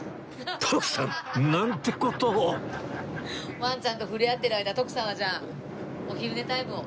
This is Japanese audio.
ワンちゃんと触れ合ってる間徳さんはじゃあお昼寝タイムを。